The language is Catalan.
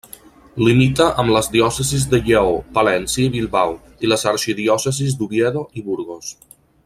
Limita amb les diòcesis de Lleó, Palència i Bilbao i les arxidiòcesis d'Oviedo i Burgos.